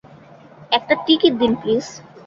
একটা টিকেট দিন, প্লিজ।